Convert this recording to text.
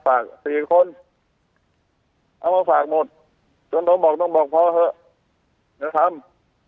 ฝากสี่คนเอามาฝากหมดจนต้องบอกต้องบอกพ่อเถอะจะทำ